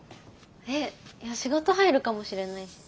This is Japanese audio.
えっいや仕事入るかもしれないし。